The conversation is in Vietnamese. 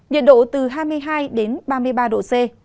nhiệt độ từ hai mươi hai đến ba mươi ba độ c